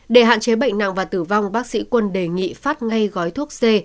để hạn chế bệnh nặng và tử vong bác sĩ quân đề nghị phát ngay gói thuốc c